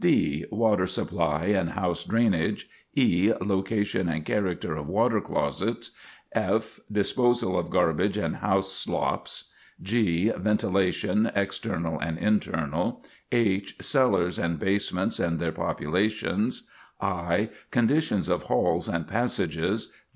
d. Water supply and house drainage. e. Location and character of water closets. f. Disposal of garbage and house slops. g. Ventilation, external and internal. h. Cellars and basements, and their population. i. Conditions of halls and passages.